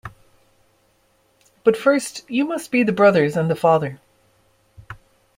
But first you must be the brothers and the father.